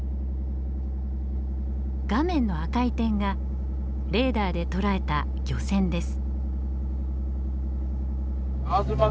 画面の赤い点がレーダーで捉えた漁船です。